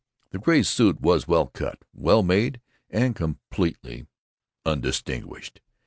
The gray suit was well cut, well made, and completely undistinguished.